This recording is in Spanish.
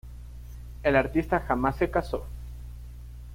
El artista jamás se casó.